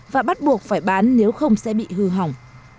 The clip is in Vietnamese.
và bắt buộc phải bán nếu không sẽ bị hư hỏng